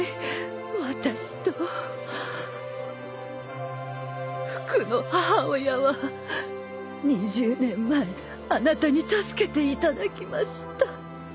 私とふくの母親は２０年前あなたに助けていただきました。